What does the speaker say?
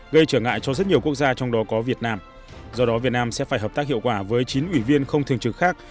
gây trở ngại cho rất nhiều quốc gia trong đó có việt nam do đó việt nam sẽ phải hợp tác hiệu quả với chín ủy viên không thường trực khác